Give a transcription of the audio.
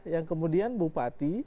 yang kemudian bupati